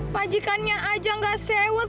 pajikannya aja gak sewet